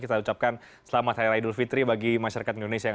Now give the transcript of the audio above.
ya jangan lupa ucapkan selamat hari raya idul fitri bagi masyarakat indonesia yang